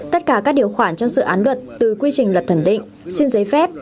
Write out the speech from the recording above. tất cả các điều khoản trong dự án luật từ quy trình lập thẩm định xin giấy phép